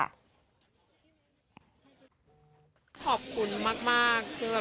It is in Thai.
ขอบคุณมาก